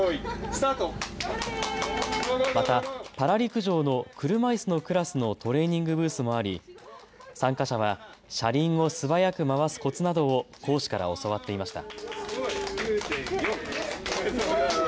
またパラ陸上の車いすのクラスのトレーニングブースもあり参加者は車輪を素早く回すコツなどを講師から教わっていました。